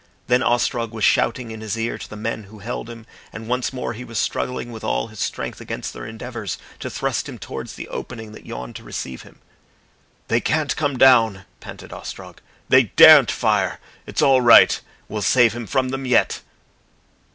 Then Ostrog was shouting in his ear to the men who held him, and once more he was struggling with all his strength against their endeavours to thrust him towards the opening that yawned to receive him. "They can't come down," panted Ostrog. "They daren't fire. It's all right. We'll save him from them yet."